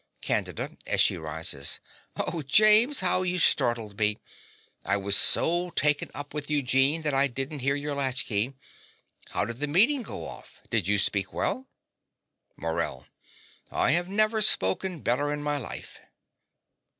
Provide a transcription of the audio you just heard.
CANDIDA (as she rises). Oh, James, how you startled me! I was so taken up with Eugene that I didn't hear your latch key. How did the meeting go off? Did you speak well? MORELL. I have never spoken better in my life.